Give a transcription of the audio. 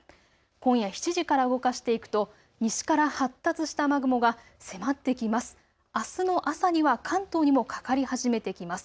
今夜７時から動かしていくと西から発達した雨雲が迫ってきます。